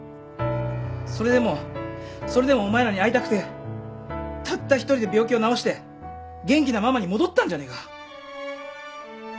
それでもそれでもお前らに会いたくてたった１人で病気を治して元気なママに戻ったんじゃねえか。